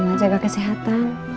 emak jaga kesehatan